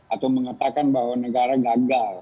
atau mengatakan bahwa negara gagal